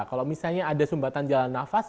kalau misalnya ada sumbatan jalan nafas